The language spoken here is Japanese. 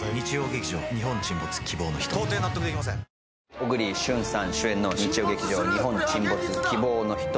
小栗旬さん主演の日曜劇場「日本沈没−希望のひと−」